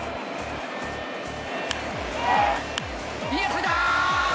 いい当たりだ！